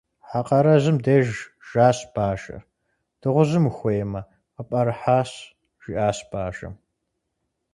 Хьэ къарэжьым деж жащ бажэр. - Дыгъужьым ухуеймэ, къыпӏэрыхьащ, - жиӏащ бажэм.